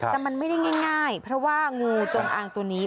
แต่มันไม่ได้ง่ายเพราะว่างูจงอางตัวนี้